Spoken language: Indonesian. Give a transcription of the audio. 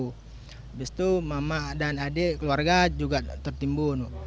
habis itu mama dan adik keluarga juga tertimbun